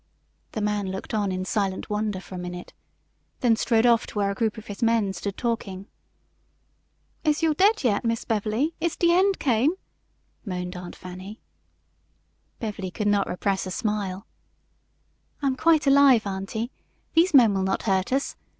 The man looked on in silent wonder for a minute, and then strode off to where a group of his men stood talking. "Is yo' daid yit, Miss Bev'ly is de end came?" moaned Aunt Fanny. Beverly could not repress a smile. "I am quite alive, Auntie. These men will not hurt us.